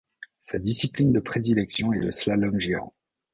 Sa discipline de prédilection est le slalom géant.